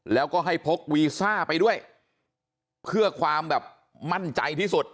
แล้วก็ให้พกวีซ่าไปด้วยเพื่อความแบบมั่นใจที่สุด